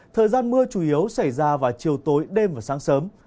thời gian mưa chủ yếu xảy ra vào chiều tối đêm và sáng sớm